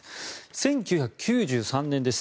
１９９３年です。